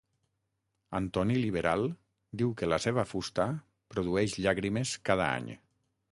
Antoní Liberal diu que la seva fusta produeix llàgrimes cada any.